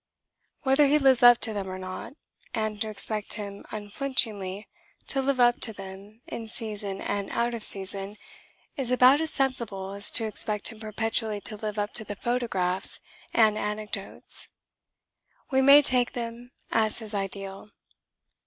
Whether he lives up to them or not (and to expect him unflinchingly to live up to them in season and out of season is about as sensible as to expect him perpetually to live up to the photographs and anecdotes), we may take them as his ideal.